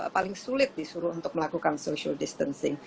paling sulit disuruh untuk melakukan social distancing